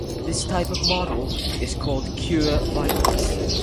This type of model is called cure violence.